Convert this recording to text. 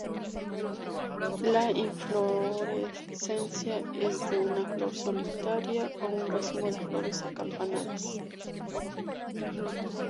La inflorescencia es de una flor solitaria o un racimo de flores acampanadas.